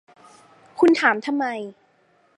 คุณถามทำไม